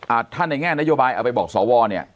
ถ้าในแง่นโยบายเอาไปบอกสวเนี่ย